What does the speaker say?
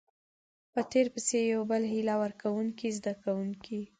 په تير پسې يو بل هيله ورکوونکۍ زده کوونکي